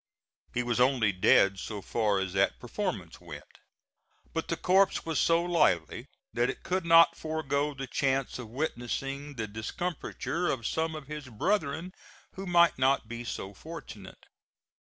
He was only dead so far as that performance went; but the corpse was so lively that it could not forego the chance of witnessing the discomfiture of some of his brethren who might not be so fortunate.